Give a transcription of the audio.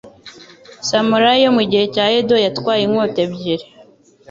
Samurai yo mu gihe cya Edo yatwaye inkota ebyiri